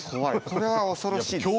これは恐ろしいです。